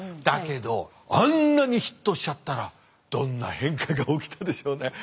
だけどあんなにヒットしちゃったらどんな変化が起きたでしょうね。